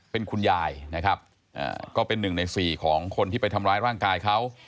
เป็นคุณยายนะครับก็เป็นหนึ่งในสี่ของคนที่ไปทำร้ายร่างกายเขา